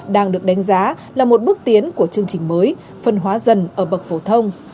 đang được đánh giá là một bước tiến của chương trình mới phân hóa dần ở bậc phổ thông